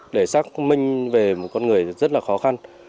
để xác minh về một con người rất là khó khăn